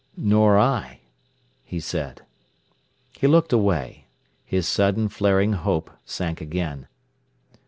"Nor I," he said. He looked away. His sudden, flaring hope sank again.